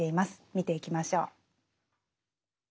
見ていきましょう。